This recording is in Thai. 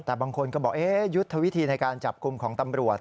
แต่บางคนก็บอกยุทธวิธีในการจับกลุ่มของตำรวจ